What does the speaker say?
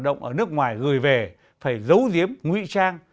hoạt động ở nước ngoài gửi về phải giấu giếm ngụy trang